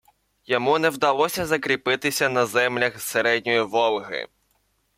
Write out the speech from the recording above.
Йому не вдалося закріпитися на землях середньої Волги